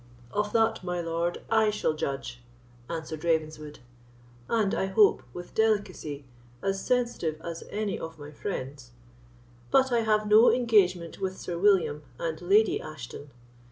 "Of that, my lord, I shall judge," answered Ravenswood, "and I hope with delicacy as sensitive as any of my friends. But I have no engagement with Sir William and Lady Ashton.